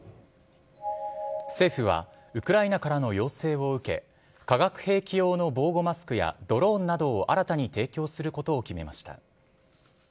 政府はウクライナからの要請を受け、化学兵器用の防護マスクやドローンなどを新たに提供することを決めました。